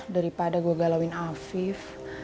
daripada gue galauin afif